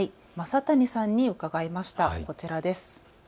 正谷さんに伺いました、こちらです。